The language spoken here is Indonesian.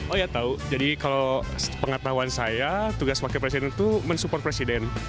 oh ya tau jadi kalau pengetahuan saya tugas wakil presiden itu mensupport presiden